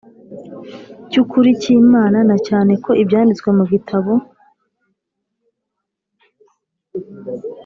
cy’ukuri cy’imana na cyane ko ibyanditswe mu gitabo